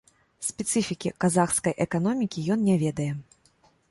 Спецыфікі казахскай эканомікі ён не ведае.